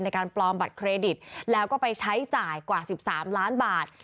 ในการปลอมบัตรเครดิตแล้วก็ไปใช้จ่ายกว่า๑๓ล้านบาท